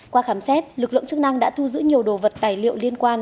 qua khám xét lực lượng chức năng đã thu giữ nhiều đồ vật tài liệu liên quan